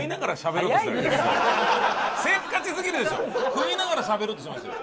食いながらしゃべろうとしてますよ。